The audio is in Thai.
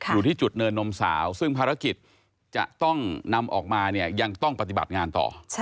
อยู่ที่จุดเนินนมสาวซึ่งภารกิจจะต้องนำออกมาเนี่ยยังต้องปฏิบัติงานต่อ